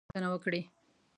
خلک کولای شي پوښتنه وکړي.